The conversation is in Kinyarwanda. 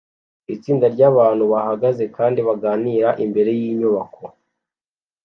Itsinda ryabantu bahagaze kandi baganira imbere yinyubako